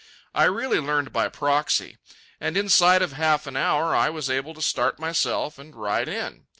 I really learned by proxy. And inside of half an hour I was able to start myself and ride in.